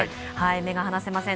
目が離せません。